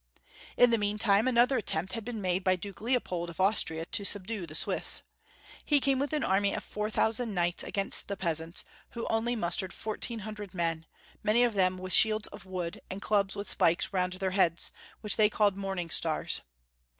In the meantime another attempt had been made by Duke Leopold of Austria to subdue the Swiss. He came with an army of 4000 knights against the peasants, who only mustered 1400 men, many of them with sliields of wood, and clubs vaih spikes round their heads, which they called morning stars.